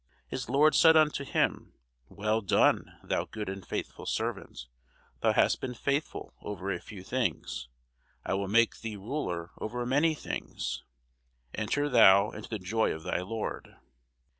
His lord said unto him, Well done, thou good and faithful servant: thou hast been faithful over a few things, I will make thee ruler over many things: enter thou into the joy of thy lord.